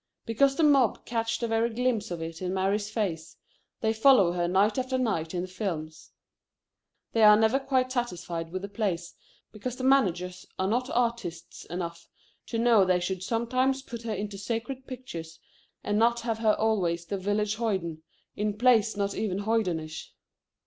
Because the mob catch the very glimpse of it in Mary's face, they follow her night after night in the films. They are never quite satisfied with the plays, because the managers are not artists enough to know they should sometimes put her into sacred pictures and not have her always the village hoyden, in plays not even hoydenish.